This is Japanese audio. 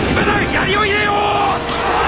槍を入れよ！